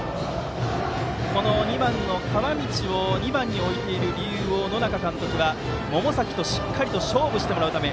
この川道を２番に置いている理由を野仲監督は、百崎としっかりと勝負してもらうため。